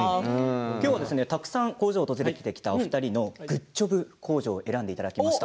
たくさん工場を訪れてきたお二人にグッジョブ工場を選んでいただきました。